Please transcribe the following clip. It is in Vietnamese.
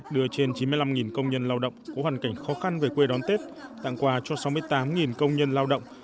đưa trên chín mươi năm công nhân lao động có hoàn cảnh khó khăn về quê đón tết tặng quà cho sáu mươi tám công nhân lao động